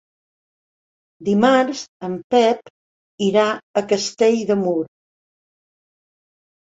Dimarts en Pep irà a Castell de Mur.